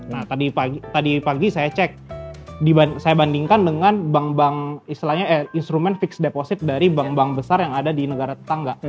nah tadi pagi saya cek saya bandingkan dengan bank bank istilahnya instrumen fixed deposit dari bank bank besar yang ada di negara tetangga